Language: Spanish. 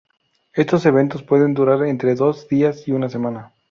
Estos eventos pueden durar entre dos días y una semana.